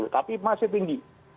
tapi masih tinggi